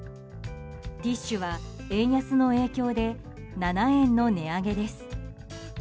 ティッシュは円安の影響で７円の値上げです。